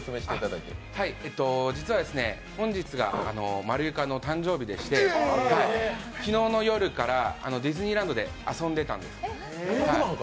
実は本日がまるゆかの誕生日でして昨日の夜からディズニーランドで遊んでたんです。